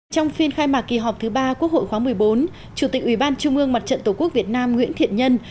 trong phiên khai mạc kỳ họp thứ ba quốc hội khóa một mươi bốn chủ tịch ủy ban trung ương mặt trận tổ quốc việt nam nguyễn thiện nhân